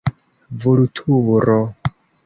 Vulturo!